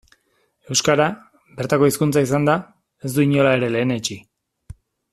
Euskara, bertako hizkuntza izanda, ez du inola ere lehenetsi.